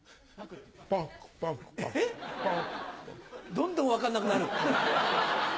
どんどん分かんなくなる。